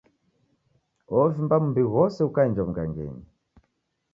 Wovimba mbi ghose ukaenjwa w'ughangenyi.